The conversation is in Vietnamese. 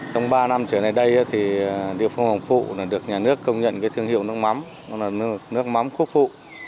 trong ba năm trở lại đây điều phương hồng phụ được nhà nước công nhận thương hiệu nước mắm nước mắm quốc phụ